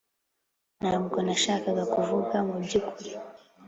ntabwo nashakaga kuvuga mubyukuri